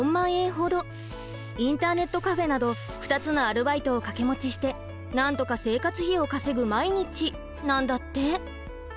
インターネットカフェなど２つのアルバイトを掛け持ちしてなんとか生活費を稼ぐ毎日なんだって。